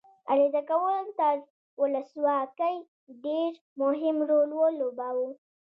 عریضه کول تر ولسواکۍ ډېر مهم رول ولوباوه.